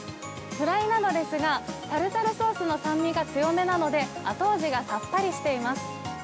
フライなのですが、タルタルソースの酸味が強めなので、後味がさっぱりしています。